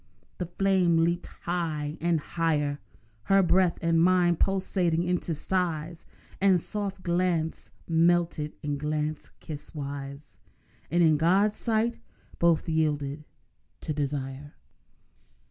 The flame leaped high and higher; Her breath and mine pulsated into sighs, And soft glance melted into glance kiss wise, And in God's sight both yielded to desire.